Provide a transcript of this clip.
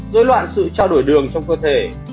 dưới loạn sự trao đổi đường trong cơ thể